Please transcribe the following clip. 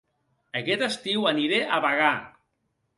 Aquest estiu aniré a Bagà